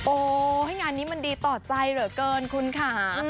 โอ้ให้งานนี้มันดีต่อใจเรอะเกินคุณค่ะ